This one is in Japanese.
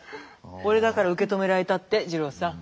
俺だから受け止められたって二朗さん。